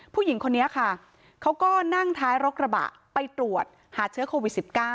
ผู้หญิงคนนี้ค่ะเขาก็นั่งท้ายรกระบะไปตรวจหาเชื้อโควิด๑๙